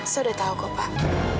saya udah tahu kok pak